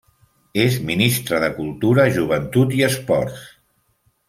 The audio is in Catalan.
És Ministra de Cultura, Joventut i Esports.